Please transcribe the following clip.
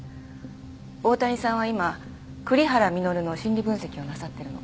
大谷さんは今栗原稔の心理分析をなさってるの。